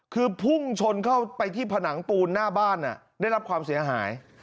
คือพุ่งชนเข้าไปที่ผนังปูนหน้าบ้านได้รับความเสียหาย